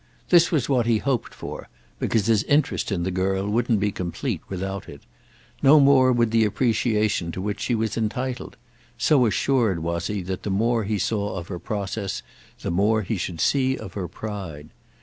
This was what he hoped for, because his interest in the girl wouldn't be complete without it. No more would the appreciation to which she was entitled—so assured was he that the more he saw of her process the more he should see of her pride.